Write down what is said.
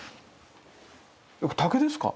竹ですか？